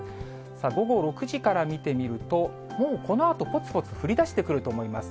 午後６時から見てみると、もうこのあと、ぽつぽつ降りだしてくると思います。